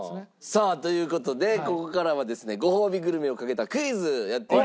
さあという事でここからはですねごほうびグルメを懸けたクイズやっていきたいと思います。